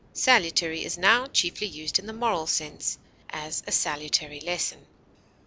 Salutary is now chiefly used in the moral sense; as, a salutary lesson.